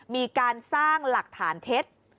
มีการสร้างหลักฐานเท็จ